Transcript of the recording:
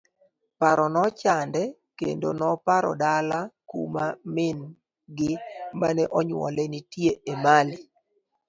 Paro ne ochande kendo noparo dala kuma min gi ma onyuole nitie, Emali.